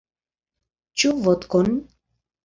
Ĉu vodkon?